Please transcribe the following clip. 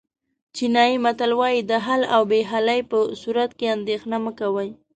چینایي متل وایي د حل او بې حلۍ په صورت کې اندېښنه مه کوئ.